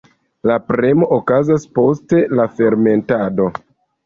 La premo okazas poste la fermentado.